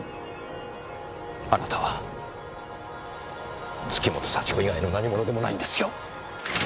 あなたは月本幸子以外の何者でもないんですよ。